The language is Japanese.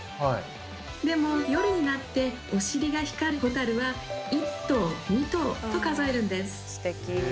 でも夜になってお尻が光るホタルは１灯２灯と数えるんです。